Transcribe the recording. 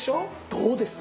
どうです？